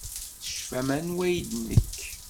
Tecfam anwa ay d nekk?